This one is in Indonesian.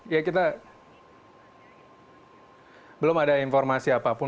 ya kita belum ada informasi apapun